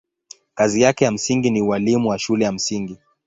Kazi yake ya msingi ni ualimu wa shule ya msingi.